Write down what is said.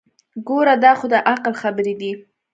ګوره دا خو دعقل خبرې دي.